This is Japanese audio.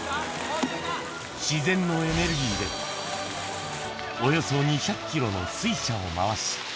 自然のエネルギーでおよそ２００キロの水車を回し。